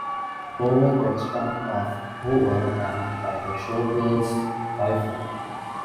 Rover gets dumped off Hoover Dam by the showgirl's boyfriend.